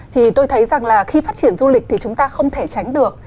thì tôi thấy rằng là khi phát triển du lịch thì chúng ta không thể tránh được